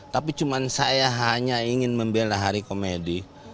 tapi cuma saya hanya ingin membela hari komedi